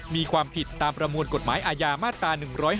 มีความผิดตามประมวลกฎหมายอาญามาตรา๑๕